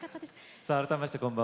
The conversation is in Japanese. さあ改めましてこんばんは。